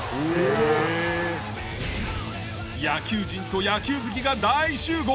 野球人と野球好きが大集合。